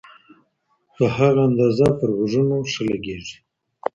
په هغه اندازه پر غوږونو ښه لګیږي.